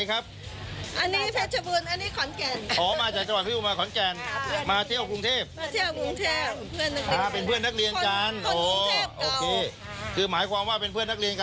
ขายได้น้อยลงหรือเปล่า